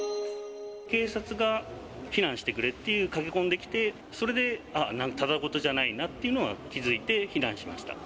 警察が避難してくれって、駆け込んできて、それで、あっ、ただごとじゃないなっていうのは気付いて避難しました。